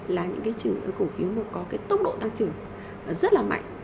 là những củ phiếu có tốc độ tăng trưởng rất là mạnh